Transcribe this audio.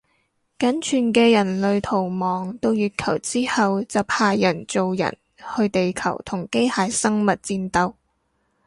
僅存嘅人類逃亡到月球之後就派人造人去地球同機械生物戰鬥